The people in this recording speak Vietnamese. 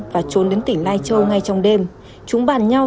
và trốn đến tỉnh lai châu ngay trong đêm chúng bàn nhau